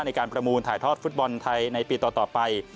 ในการประมูลถ่ายทอดฟุตบอลไทยในปีต่อไป